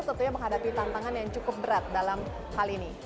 tentunya menghadapi tantangan yang cukup berat dalam hal ini